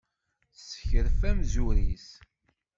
Tessekref amzur-is.